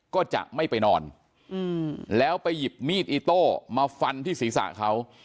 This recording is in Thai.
ก็จะไม่ไปนอนแล้วไปหยิบมีดอิโต้มาฟันที่ศีรษะเขา